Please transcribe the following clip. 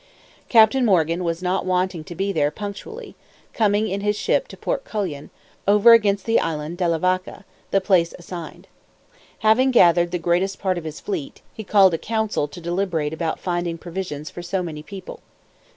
Captain Morgan was not wanting to be there punctually, coming in his ship to Port Couillon, over against the island De la Vaca, the place assigned. Having gathered the greatest part of his fleet, he called a council to deliberate about finding provisions for so many people.